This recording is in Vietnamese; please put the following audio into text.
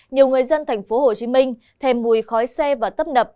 nhiều người dân thành phố hồ chí minh thèm mùi khói xe và tấp nập